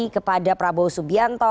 kepada prabowo subianto